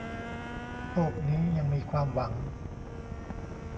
โลกนี้ยังมีความหวัง